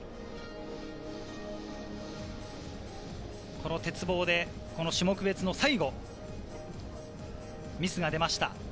この鉄棒でこの種目別の最後、ミスが出ました。